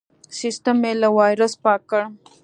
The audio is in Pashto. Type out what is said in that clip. سیستم مې له وایرس پاک کړ.